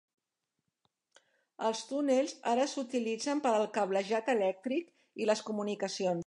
Els túnels ara s'utilitzen per al cablejat elèctric i les comunicacions.